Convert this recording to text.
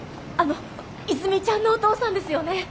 あの和泉ちゃんのお父さんですよね？